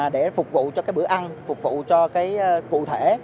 để phục vụ cho cái bữa ăn phục vụ cho cái cụ thể